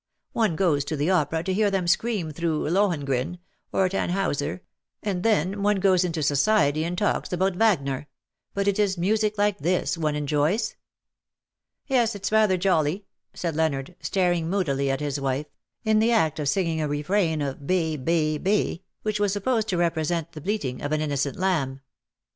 One goes to the opera to hear them scream through ^ Lohengrin'' — or ^ Tannhiiuser^ — and then one goes into society and talks about Wagner — but it is music like this one enjoys."*^ '^Yes, it's rather jolly/' said Leonard^ staring moodily at his wife^ in the act of singing a refrain of Be be bCj which was supposed to represent the bleating of an innocent lamb.